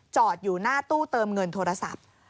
จอดอยู่หน้าตู้เติมเงินโทรศัพท์